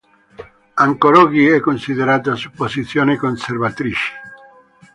Ancor oggi è considerata su posizioni conservatrici